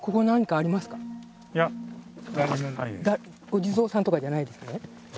お地蔵さんとかじゃないですよね？